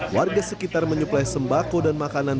warga sekitar menyuplai sembako dan makanan